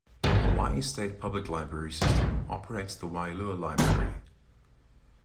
Hawaii State Public Library System operates the Waialua Library.